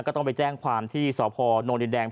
ก็ต้องไปแจ้งความที่สพนดินแดง